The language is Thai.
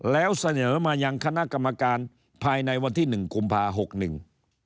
แล้วเสนอมายังคณะกรรมการภายในวันที่หนึ่งกุมภาหกหนึ่ง